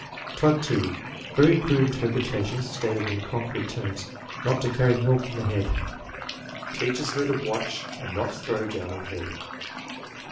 Type (2), very crude interpretations stated in concrete terms: "Not to carry milk on the head." "Teaches her to watch and not throw down her head."